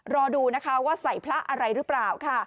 รอดูนะคะว่าใส่พระอะไรหรือเปล่าค่ะ